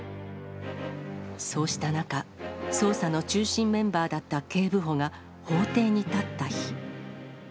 そうした中、捜査の中心メンバーだった警部補が、法廷に立った日。